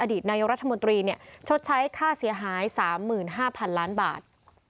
ดีตนายกรัฐมนตรีชดใช้ค่าเสียหาย๓๕๐๐๐ล้านบาท